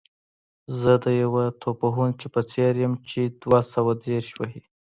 زه د یو توپ وهونکي په څېر یم چې دوه سوه دېرش وهي.